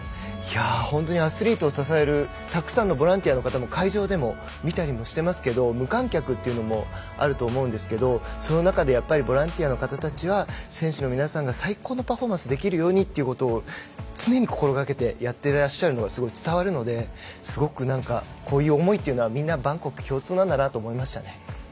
本当にアスリートを支えるたくさんのボランティアの方会場でも見たりしていますが無観客もあると思うんですけどその中でボランティアの方たちは選手の皆さんが最高のパフォーマンスをできるようにと心がけてやっていらっしゃるのがすごい伝わるのですごくこういう思いは万国共通なんだなと思いましたね。